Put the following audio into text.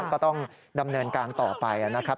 ก็ต้องดำเนินการต่อไปนะครับ